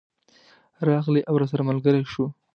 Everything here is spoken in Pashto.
راغلی او راسره ملګری شو.